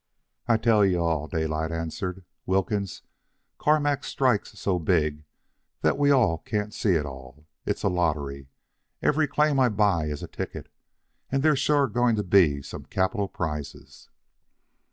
"I tell you all," Daylight answered, "Wilkins, Carmack's strike's so big that we all can't see it all. It's a lottery. Every claim I buy is a ticket. And there's sure going to be some capital prizes."